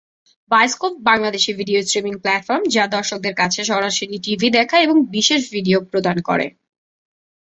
Bioscope, Bangladeshi video streaming platform যা দর্শকদের কাছে সরাসরি টিভি দেখা এবং বিশেষ ভিডিও প্রদান করে।